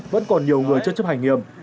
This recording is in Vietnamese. vẫn còn nhiều người chất chấp hành nghiêm